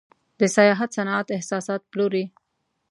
د سیاحت صنعت احساسات پلوري.